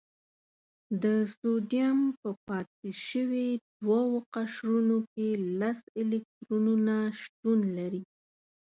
د سوډیم په پاتې شوي دوه قشرونو کې لس الکترونونه شتون لري.